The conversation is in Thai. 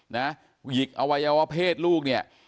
หยิกอวัยวะเพศลูกเนี่ย